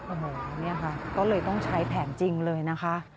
โอ้โหเนี่ยค่ะก็เลยต้องใช้แผนจริงเลยนะคะ